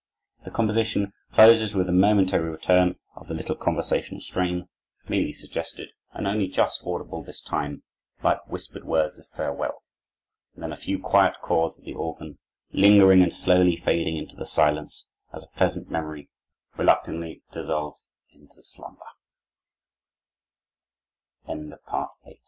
The composition closes with a momentary return of the little conversational strain, merely suggested and only just audible this time, like whispered words of farewell; and then a few quiet chords of the organ, lingering and slowly fading into the silence, as a pleasant memory reluctantly dissolve